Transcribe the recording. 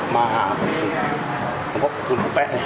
มาชงไปดู